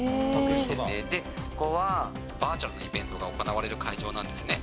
ここはバーチャルのイベントが行われる会場なんですね。